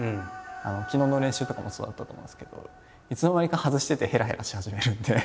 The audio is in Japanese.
昨日の練習とかもそうだったと思うんですけどいつの間にか外しててへらへらし始めるんで。